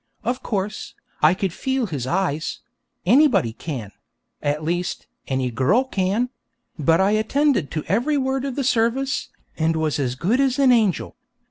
Of course, I could feel his eyes; anybody can at least, any girl can; but I attended to every word of the service, and was as good as an angel.